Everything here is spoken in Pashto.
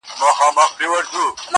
ضميرونه لا هم بې قراره دي,